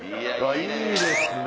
いいですね！